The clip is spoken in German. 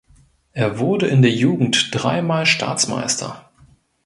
Er wurde in der Jugend drei Mal Staatsmeister.